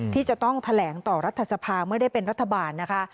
ที่จะต้องแถลงต่อรัฐสภาเมื่อได้เป็นรัฐบาลนะคะ